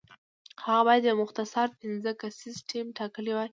هغه باید یو مختصر پنځه کسیز ټیم ټاکلی وای.